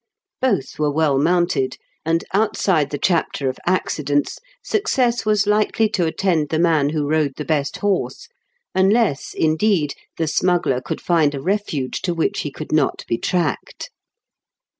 Both were well mounted, and, outside the chapter of accidents, success was likely to attend the man who rode the best horse; unless, indeed, the smuggler could find a refuge to which he could not be tracked.